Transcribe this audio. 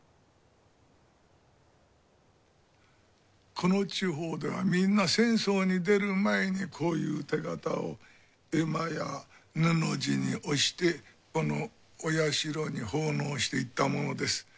この地方ではみんな戦争に出る前にこういう手形を絵馬や布地におしてこのお社に奉納していったものです。